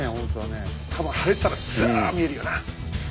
多分晴れてたらざぁっ見えるよな。